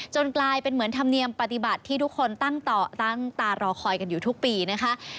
กลายเป็นเหมือนธรรมเนียมปฏิบัติที่ทุกคนตั้งต่อตั้งตารอคอยกันอยู่ทุกปีนะคะ